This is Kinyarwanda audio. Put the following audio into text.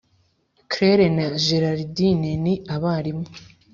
claire na gerardine ni abarimu.